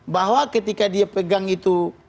bahwa ketika dia pegang itu